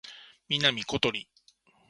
南ことり